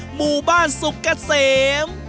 หมู่บ้านสุกเกษม